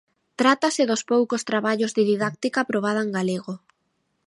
Trátase dos poucos traballos de didáctica probada en galego.